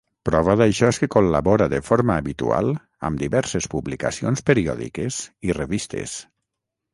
Prova d'això és que col·labora de forma habitual amb diverses publicacions periòdiques i revistes.